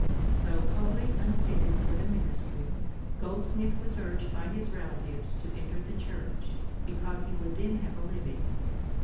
Though wholly unfitted for the ministry, Goldsmith was urged by his relatives to enter the church, because he would then have a living.